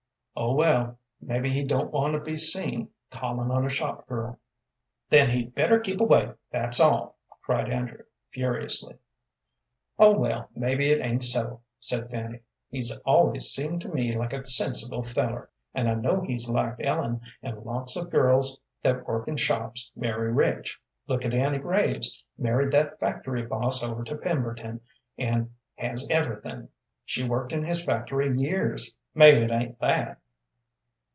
"Oh, well, mebbe he don't want to be seen callin' on a shop girl." "Then he'd better keep away, that's all!" cried Andrew, furiously. "Oh, well, mebbe it ain't so," said Fanny. "He's always seemed to me like a sensible feller, and I know he's liked Ellen, an' lots of girls that work in shops marry rich. Look at Annie Graves, married that factory boss over to Pemberton, an' has everythin'. She'd worked in his factory years. Mebbe it ain't that."